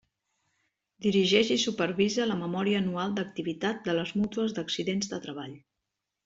Dirigeix i supervisa la memòria anual d'activitat de les mútues d'accidents de treball.